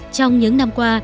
trong những năm qua